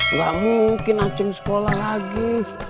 enggak mungkin aceng sekolah lagi